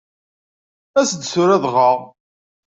As-d tura dɣa.